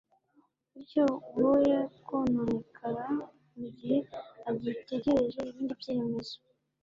bityo woye kononekara mu gihe agitegereje ibindi byemezo